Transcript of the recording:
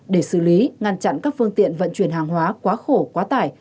để xử lý ngăn chặn các phương tiện vận chuyển hàng hóa quá khổ quá tải